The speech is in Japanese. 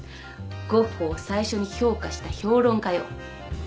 ゴッホを最初に評価した評論家よ。